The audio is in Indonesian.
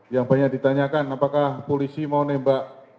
yang banyak ditanyakan apakah polisi mau nembak